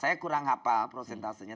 saya kurang hafal prosentasenya